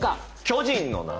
巨人のな！